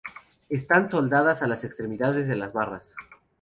Están soldadas a las extremidades de las barras.